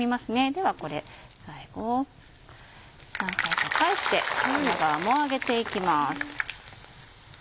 ではこれ最後何回か返して裏側も揚げていきます。